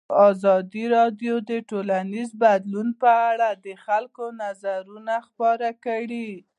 ازادي راډیو د ټولنیز بدلون په اړه د خلکو نظرونه خپاره کړي.